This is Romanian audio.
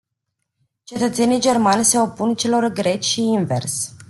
Cetățenii germani se opun celor greci și invers.